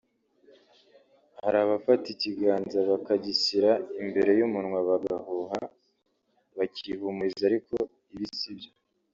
hari abafata ikiganza bakagishyira imbere y’umunwa bagahuha bakihumuriza ariko ibi sibyo